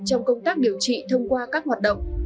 trong công tác điều trị thông qua các hoạt động